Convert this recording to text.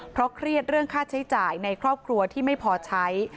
เพราะเครียดเรื่องค่าใช้จ่ายในครอบครัวที่ไม่พอใช้